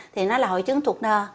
thì nó là hội chứng thuộc nơ